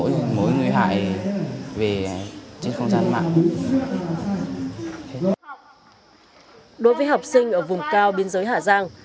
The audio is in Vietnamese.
đối với học sinh ở vùng cao biên giới hà giang